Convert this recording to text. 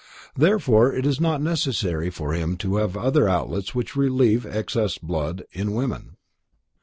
Therefore it is not necessary for him to have the outlets which relieve excess of blood in woman.